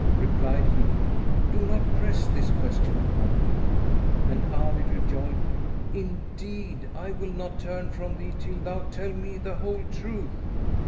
Replied he, "Do not press this question upon me;" and Ali rejoined, "Indeed, I will not turn from thee till thou tell me the whole truth."